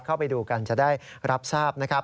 เข้าไปดูกันจะได้รับทราบนะครับ